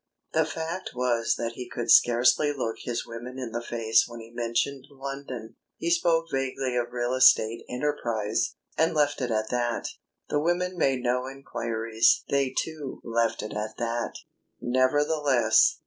The fact was that he could scarcely look his women in the face when he mentioned London. He spoke vaguely of "real estate" enterprise, and left it at that. The women made no enquiries; they too, left it at that. Nevertheless....